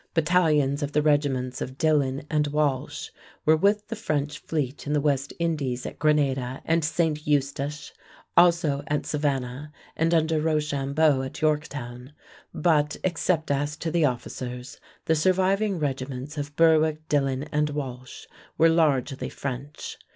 Battalions of the regiments of Dillon and Walsh were with the French fleet in the West Indies at Grenada and St. Eustache, also at Savannah, and under Rochambeau at Yorktown, but, except as to the officers, the surviving regiments of Berwick, Dillon, and Walsh were largely French.